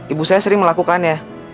ibu saya sering melakukannya